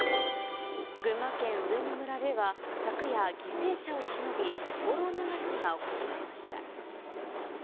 群馬県上野村では、昨夜、犠牲者をしのび、灯籠流しが行われました。